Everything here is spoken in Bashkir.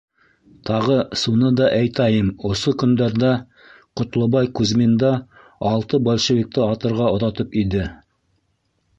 — Тағы суны да айтайым осо көндәрҙә Ҡотлобай Кузьминда алты бальшевикты атырға оҙатып иде.